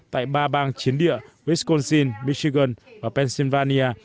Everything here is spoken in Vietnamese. tại ba bang chiến địa wisconsin michigan và pennsylvania